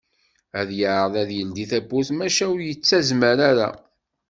Ad yeɛreḍ ad yeldi tawwurt maca ur yettazmar ara.